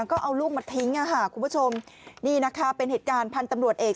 ก็เอาลูกมาทิ้งอ่ะค่ะคุณผู้ชมนี่นะคะเป็นเหตุการณ์พันธุ์ตำรวจเอก